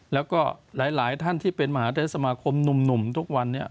แล้วก็หลายท่านที่เป็นมหาเทศสมาคมหนุ่มทุกวันนี้